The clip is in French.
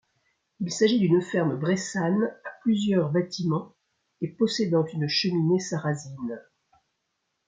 Il s'agit d'une ferme bressane à plusieurs bâtiments et possédant une cheminée sarrasine.